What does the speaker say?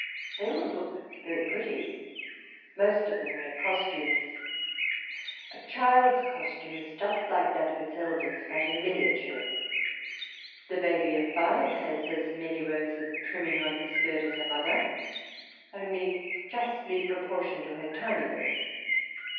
They all look very pretty. Most of them wear costumes. A child's costume is just like that of its elders, but in miniature. The baby of five has as many rows of trimming on her skirt as her mother, only justly proportioned to her tininess.